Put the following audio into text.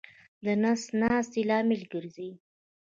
د نس ناستې لامل ګرځي.